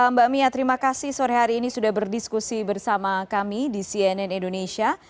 mbak mia terima kasih sore hari ini sudah berdiskusi bersama kami di cnn indonesia